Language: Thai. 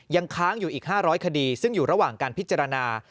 ยังค้างอยู่อีก๕๐๐คดีซึ่งอยู่ระหว่างการพิจารณา